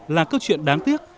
là câu chuyện đáng tiếc